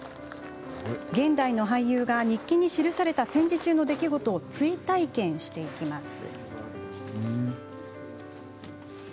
現代の俳優が日記に記された戦時中の出来事を追体験していきます。